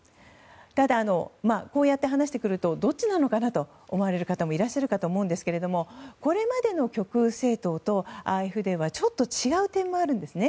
ただ、こうやって話してくるとどっちなのかなと思われる方もいらっしゃると思うんですけどもこれまでの極右政党とＡｆＤはちょっと違う点もあるんですね。